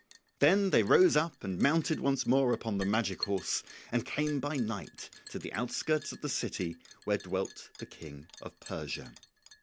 Then they rose up and mounted once more upon the magic horse and came by night to the outskirts of the city where dwelt the King of Persia.